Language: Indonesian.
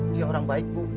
dia orang baik bu